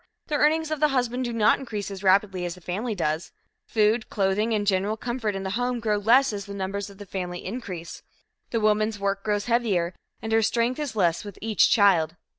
The earnings of the husband do not increase as rapidly as the family does. Food, clothing and general comfort in the home grow less as the numbers of the family increase. The woman's work grows heavier, and her strength is less with each child.